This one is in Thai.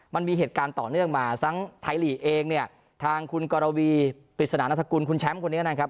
มันมีเหตุการณ์ต่อเนื่องมาทั้งไทยลีกเองเนี่ยทางคุณกรวีปริศนานัฐกุลคุณแชมป์คนนี้นะครับ